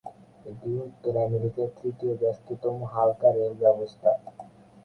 এটি উত্তর আমেরিকার তৃতীয় ব্যস্ততম হালকা-রেল ব্যবস্থা।